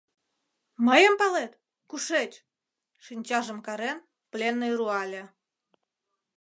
— Мыйым палет, кушеч? — шинчажым карен, пленный руале.